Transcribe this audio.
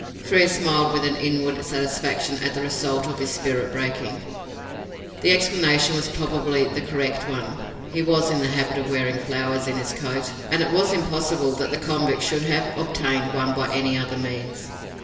Frere smiled with an inward satisfaction at the result of his spirit breaking. The explanation was probably the correct one. He was in the habit of wearing flowers in his coat and it was impossible that the convict should have obtained one by any other means.